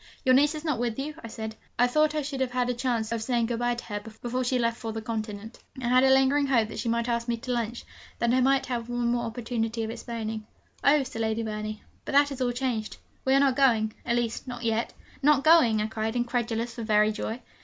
'Your niece is not with you?' I said; 'I thought I should have had a chance of of saying good bye to her before she left for the continent.' I had a lingering hope that she might ask me to lunch, that I might have one more opportunity of explaining. 'Oh,' said Lady Verney, 'but that is all changed; we are not going at least, not yet.' 'Not going!' I cried, incredulous for very joy.